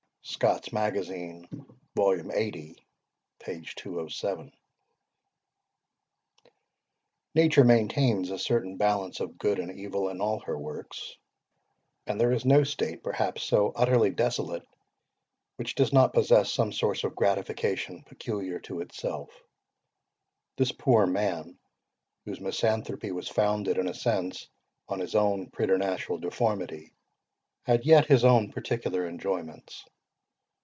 [SCOTS MAGAZINE, vol. lxxx. p.207.] Nature maintains a certain balance of good and evil in all her works; and there is no state perhaps so utterly desolate, which does not possess some source of gratification peculiar to itself, This poor man, whose misanthropy was founded in a sense on his own preternatural deformity, had yet his own particular enjoyments.